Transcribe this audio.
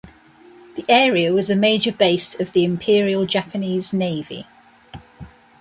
The area was a major base of the Imperial Japanese Navy.